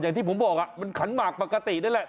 อย่างผมบอกขนหมากปกตินั่นแหละ